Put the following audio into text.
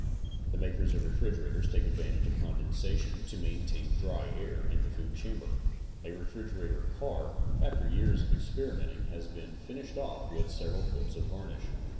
The makers of refrigerators take advantage of condensation te maintain dry air in the food chamber. A refrigerator car, after years of experimenting has been finished off with several coats of varnish.